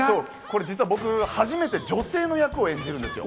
実は僕、初めて女性の役を演じるんですよね。